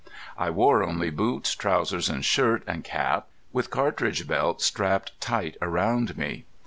I wore only boots, trousers, and shirt, and cap, with cartridge belt strapped tight around me.